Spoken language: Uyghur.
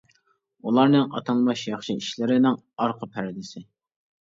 ئۇلارنىڭ ئاتالمىش ياخشى ئىشلىرىنىڭ ئارقا پەردىسى.